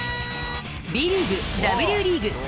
Ｂリーグ、Ｗリーグ